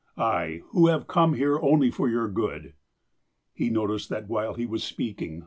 I, who have come here only for your good." He noticed that while he was speaking.